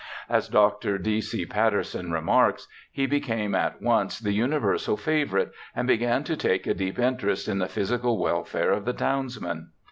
As Dr. D. C. Patterson 114 BIOGRAPHICAL ESSAYS remarks, ' He became at once the universal favourite, and began to take a deep interest in tlie physical welfare of the townsmen.'